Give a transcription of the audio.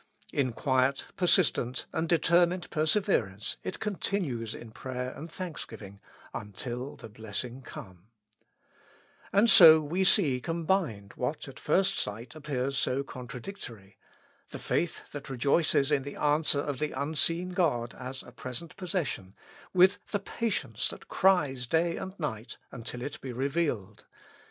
In quiet, persis tent and determined perseverance it continues in prayer and thanksgiving until the blessing come. And so we see combined what at first sight appears 127 With Christ in the School of Prayer. so contradictory; the faith that rejoices in the answer of the unseen God as a present possession, with the patience that cries day and night until it be revealed.